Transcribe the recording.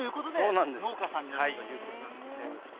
農家さんになったということなんですね。